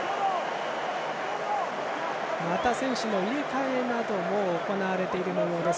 また選手の入れ替えなども行われているもようです。